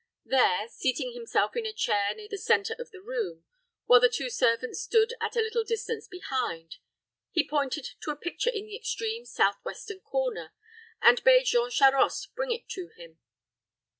There, seating himself in a chair near the centre of the room, while the two servants stood at a little distance behind, he pointed to a picture in the extreme southwestern corner, and bade Jean Charost bring it to him.